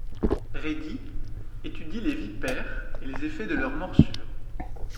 Redi étudie les vipères et les effets de leur morsure.